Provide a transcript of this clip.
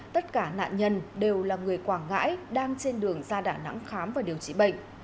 tất cả nạn nhân đều là người quảng ngãi đang trên đường ra đà nẵng khám và điều trị bệnh